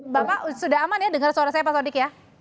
bapak sudah aman ya dengar suara saya pak sodik ya